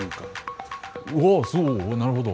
うわそうなるほど。